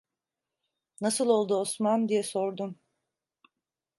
"Nasıl oldu, Osman?" diye sordum.